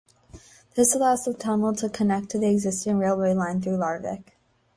This allows the tunnel to connect to the existing railway line through Larvik.